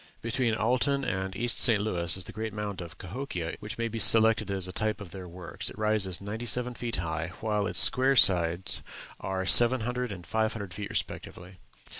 Between Alton and East St. Louis is the great mound of Cahokia, which may be selected as a type of their works: it rises ninety seven feet high, while its square sides are 700 and 500 feet respectively.